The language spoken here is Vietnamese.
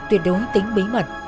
tuyệt đối tính bí mật